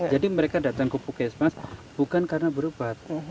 jadi mereka datang ke pukis mas bukan karena berobat